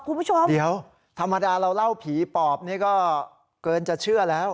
คุณผู้ชมเดี๋ยวธรรมดาเราเล่าผีปอบนี่ก็เกินจะเชื่อแล้ว